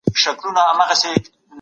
پخلی باید په اعتدال وشي.